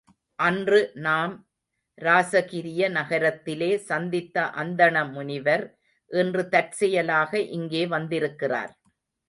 அன்று நாம் இராசகிரிய நகரத்திலே சந்தித்த அந்தண முனிவர், இன்று தற்செயலாக இங்கே வந்திருக்கிறார்.